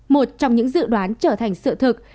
một trong những dự đoán trở thành sự thực